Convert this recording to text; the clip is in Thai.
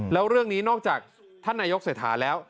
แล้วเรื่องนี้นอกจากท่านนายกเศรษฐาแล้ว